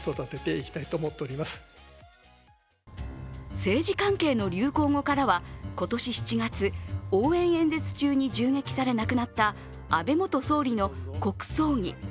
政治関係の流行語からは今年７月応援演説中に銃撃され亡くなった安倍元総理の国葬儀。